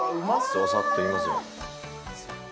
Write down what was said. ドサっといきますよ。